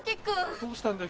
どうしたんだよ